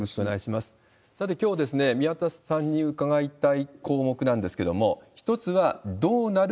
さて、きょう、宮田さんに伺いたい項目なんですけれども、一つは、どうなる？